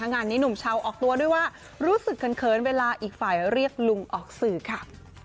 งานนี้หนุ่มชาวออกตัวด้วยว่ารู้สึกเขินเวลาอีกฝ่ายเรียกลุงออกสื่อค่ะ